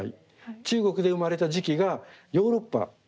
中国で生まれた磁器がヨーロッパアメリカ。